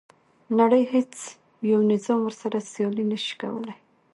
نړۍ هیڅ یو نظام ورسره سیالي نه شوه کولای.